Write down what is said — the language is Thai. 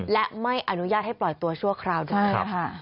และไม่อนุญาตให้ปล่อยตัวชั่วคราวด้วย